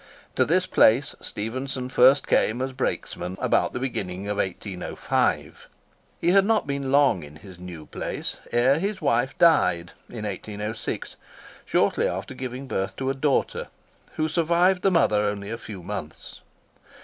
To this place Stephenson first came as a brakesman about the beginning of 1805. He had not been long in his new place, ere his wife died (in 1806), shortly after giving birth to a daughter, who survived the mother only a few months.